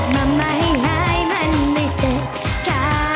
แบบมาไม่หายมันได้เสร็จค่ะ